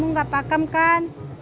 rem kamu gak pakem kan